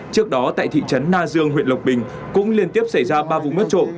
trước đó tại thị trấn na dương huyện lộc bình cũng liên tiếp xảy ra ba vụ mất trộm